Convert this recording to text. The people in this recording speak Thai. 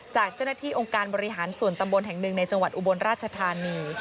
จากเจ้าหน้าที่องค์การบริหารส่วนตำบลแห่งหนึ่งในจังหวัดอุบลราชธานี